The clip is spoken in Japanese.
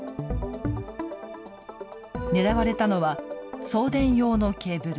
狙われたのは送電用のケーブル。